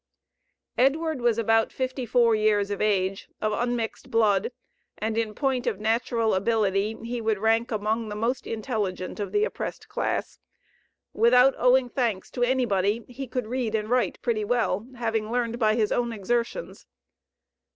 Edward was about forty four years of age, of unmixed blood, and in point of natural ability he would rank among the most intelligent of the oppressed class. Without owing thanks to any body he could read and write pretty well, having learned by his own exertions.